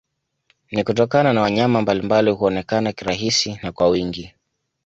Ni kutokana na wanyama mbalimbali kuonekana kirahisi na kwa wingi